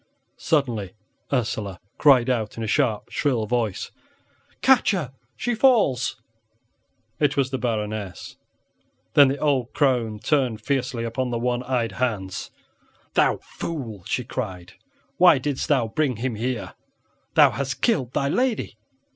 Suddenly Ursela cried out in a sharp, shrill voice, "Catch her, she falls!" It was the Baroness. Then the old crone turned fiercely upon the one eyed Hans. "Thou fool!" she cried, "why didst thou bring him here? Thou hast killed thy lady!"